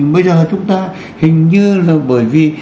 bây giờ chúng ta hình như là bởi vì